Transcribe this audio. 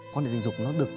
quan hệ tình dục nó được